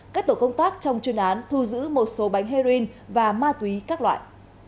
các tổ công tác trong chuyên án thu giữ một số bánh heroin và ma túy các loại